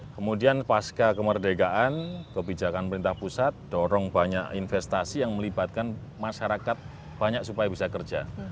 kemudian pasca kemerdekaan kebijakan perintah pusat dorong banyak investasi yang melibatkan masyarakat banyak supaya bisa kerja